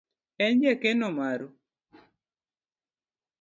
En jakeno maru.